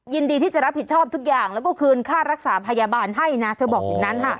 ยินดีที่จะรับผิดชอบทุกอย่างแล้วก็คืนค่ารักษาพยาบาลให้นะเธอบอกอย่างนั้นค่ะ